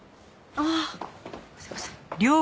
ああすいません。